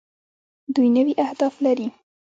دوی نوي اهداف لري.